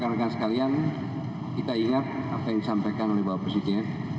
rekan rekan sekalian kita ingat apa yang disampaikan oleh bapak presiden